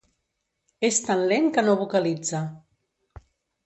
És tan lent que no vocalitza.